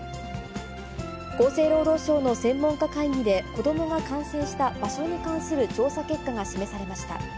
厚生労働省の専門家会議で、子どもが感染した場所に関する調査結果が示されました。